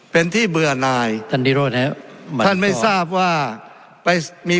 เป็นที่เบื่อนายท่านนิโรธนะครับท่านไม่ทราบว่าไปมี